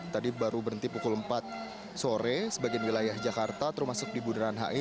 tadi baru berhenti pukul empat sore sebagian wilayah jakarta termasuk di bundaran hi